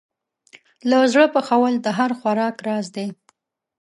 له زړه پخول د هر خوراک راز دی.